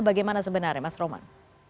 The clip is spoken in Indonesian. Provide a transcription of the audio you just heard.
bagaimana sebenarnya mas rohman